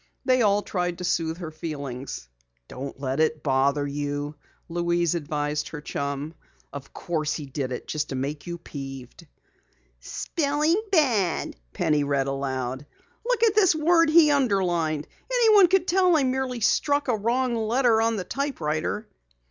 They all tried to soothe her feelings. "Don't let it bother you," Louise advised her chum. "Of course, he did it just to make you peeved." "'Spelling bad,'" Penny read aloud. "Look at this word he underlined! Anyone could tell I merely struck a wrong letter on my typewriter!"